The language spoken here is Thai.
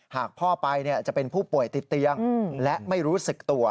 หากพ่อไปจะเป็นผู้ป่วยติดเตียงและไม่รู้สึกตัว